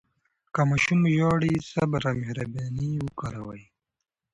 که ماشوم ژاړي، صبر او مهرباني وکاروئ.